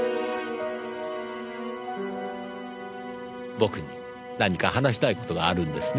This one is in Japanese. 僕に何か話したい事があるんですね？